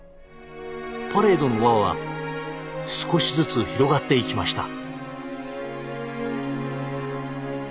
パレードの輪は少しずつ広がっていきました。